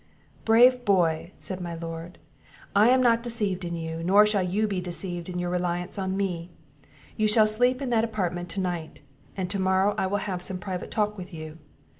"Brave boy!" said my Lord; "I am not deceived in you, nor shall you be deceived in your reliance on me. You shall sleep in that apartment to night, and to morrow I will have some private talk with you.